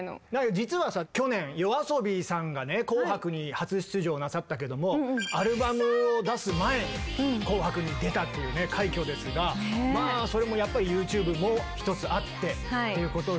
実はさ去年ＹＯＡＳＯＢＩさんがね紅白に初出場なさったけどもアルバムを出す前に紅白に出たというね快挙ですがまあそれもやっぱりＹｏｕＴｕｂｅも一つあってっていうことで。